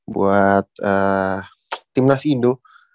buat tim nas indo